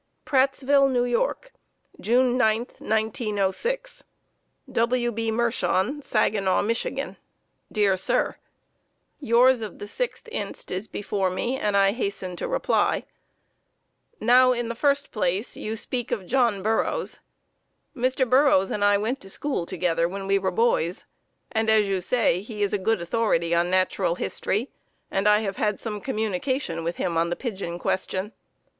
Prattsville, N. Y., June 9, 1906. W. B. Mershon, Saginaw, Mich.: Dear Sir: Yours of the 6th inst. is before me and I hasten to reply. Now, in the first place, you speak of John Burroughs. Mr. Burroughs and I went to school together when we were boys, and, as you say, he is a good authority on natural history, and I have had some communication with him on the pigeon question.